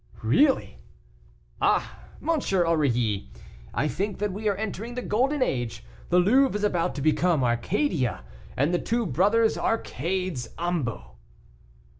"Really!" "Ah! M. Aurilly, I think that we are entering the golden age; the Louvre is about to become Arcadia, and the two brothers Arcades ambo."